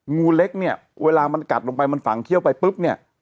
งูเล็กเนี่ยเวลามันกัดลงไปมันฝังเขี้ยวไปปุ๊บเนี่ย